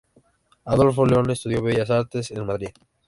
Adolfo León estudió Bellas Artes en Madrid.